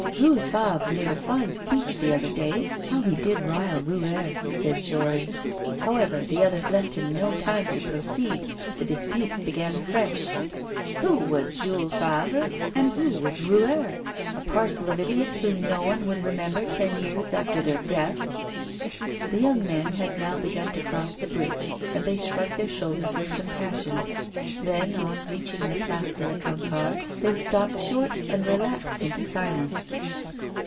'Jules Favre made a fine speech the other day. How he did rile Rouher,' said Jory. However, the others left him no time to proceed, the disputes began afresh. 'Who was Jules Favre? Who was Rouher? Did they exist? A parcel of idiots whom no one would remember ten years after their death.' The young men had now begun to cross the bridge, and they shrugged their shoulders with compassion. Then, on reaching the Place de la Concorde, they stopped short and relapsed into silence.